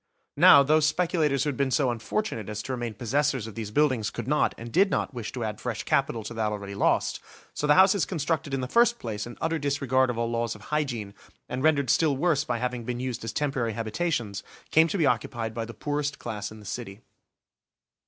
Now, those speculators who had been so unfortunate as to remain possessors of these buildings could not, and did not wish to add fresh capital to that already lost, so the houses constructed in the first place in utter disregard of all laws of hygiene, and rendered still worse by having been used as temporary habitations, came to be occupied by the poorest class in the city.